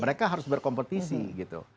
mereka harus berkompetisi gitu